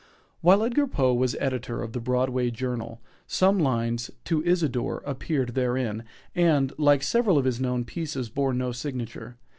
While Edgar Poe was editor of the "Broadway Journal," some lines "To Isadore" appeared therein, and, like several of his known pieces, bore no signature.